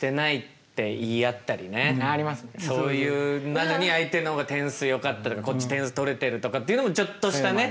なのに相手の方が点数よかったとかこっち点数取れてるとかっていうのもちょっとしたね